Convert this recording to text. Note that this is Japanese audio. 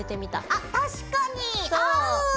あっ確かに合う！